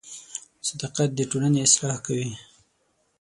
• صداقت د ټولنې اصلاح کوي.